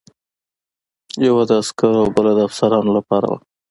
یوه د عسکرو او بله د افسرانو لپاره وه.